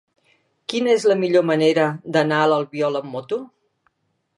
Quina és la millor manera d'anar a l'Albiol amb moto?